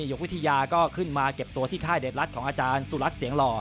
ยกวิทยาก็ขึ้นมาเก็บตัวที่ค่ายเดชรัฐของอาจารย์สุรัตน์เสียงหล่อ